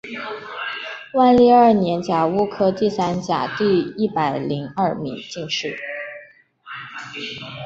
万历二年甲戌科第三甲第一百零二名进士。